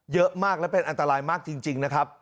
เยอะมากและเป็นอันตรายมากจริงนะครับ